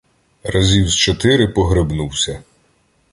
Разів з чотири погребнувся